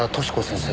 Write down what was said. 先生！